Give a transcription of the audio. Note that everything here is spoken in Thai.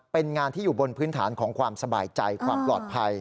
เป็นงานที่อยู่บนพื้นฐานของความสบายใจความปลอดภัย